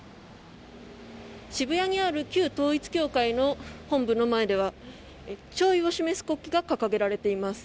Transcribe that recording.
渋谷にある旧統一教会の本部の前では弔意を示す国旗が掲げられています。